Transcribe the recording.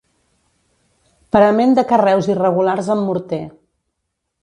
Parament de carreus irregulars amb morter.